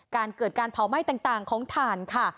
การเกิดการเผาไหม้ต่างของถ่านค่ะ